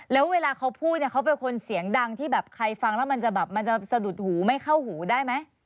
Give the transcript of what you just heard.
แล้วเวลาเขาพูดเนี่ยเขาเป็นคนเสียงดังที่แบบใครฟังแล้วมันจะแบบมันจะสะดุดหูไม่เข้าหูได้ไหม